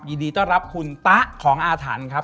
ยินดีต้อนรับคุณตะของอาถรรพ์ครับ